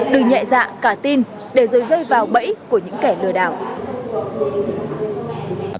đừng nhẹ dạ cả tin để rồi rơi vào bẫy của những kẻ lừa đảo